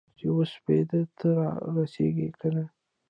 چې وسپېدو ته رارسیږې کنه؟